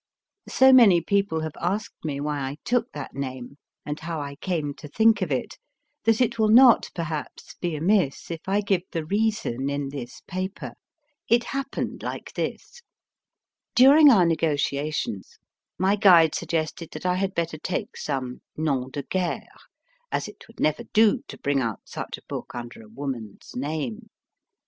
So many people have asked me why I took that name, and how I came to think of it, that it will not, perhaps, be amiss if I give the reason in this paper. It happened like this. During our negotiations, my guide suggested that I 254 MY FIRST BOOK had better take some nom de guerre, as it would never do to bring out such a book under a woman s name.